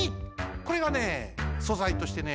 これがねそざいとしてね